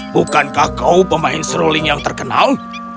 bukankah kau pemain seruling yang terkenal